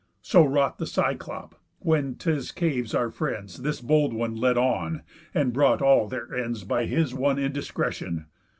So wrought the Cyclop, when t' his cave our friends This bold one led on, and brought all their ends By his one indiscretion.